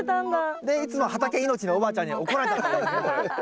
でいつも畑命のおばあちゃんに怒られたというねこれ。